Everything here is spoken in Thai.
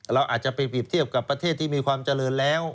เราอาจจะไปเปรียบเทียบกับประเทศที่มีความเจริญแล้ว